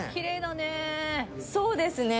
そうですね。